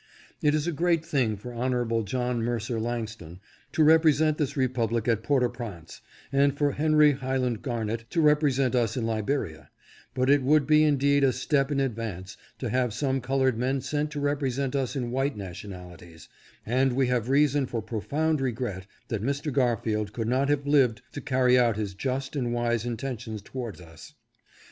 It is a great thing for Hon. John Mercer Langston to represent this republic at Port au Prince, and for Henry Highland Garnet to represent us in Liberia, but it would be indeed a step in advance to have some colored men sent; to represent us in white nationalities, and we have reason for profound regret that Mr. Garfield could not have lived to carry out his just and wise intentions towards us.